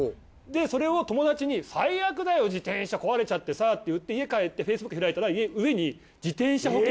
それを友達に「最悪だよ自転車壊れちゃってさ」って言って家帰ってＦａｃｅｂｏｏｋ開いたら上に自転車保険。